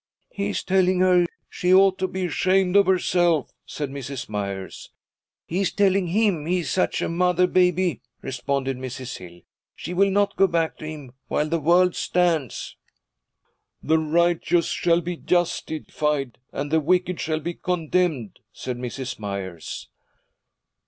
'He is telling her she ought to be ashamed of herself,' said Mrs. Myers. 'He is telling him he is such a mother baby,' responded Mrs. Hill. 'She will not go back to him while the world stands.' 'The righteous shall be justified, and the wicked shall be condemned,' said Mrs. Myers.